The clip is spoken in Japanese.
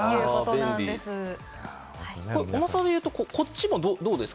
重さでいうと、こっちもどうですか？